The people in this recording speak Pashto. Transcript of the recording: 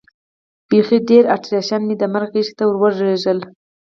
بیخي ډېر اتریشیان مې د مرګ غېږې ته ور ولېږل.